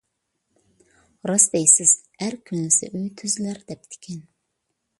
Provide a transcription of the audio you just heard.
راست دەيسىز. «ئەر كۈنلىسە ئۆي تۈزىلەر» دەپتىكەن.